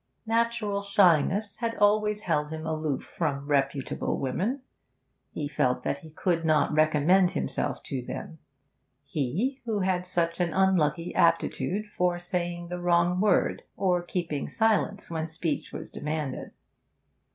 Natural shyness had always held him aloof from reputable women; he felt that he could not recommend himself to them he who had such an unlucky aptitude for saying the wrong word or keeping silence when speech was demanded.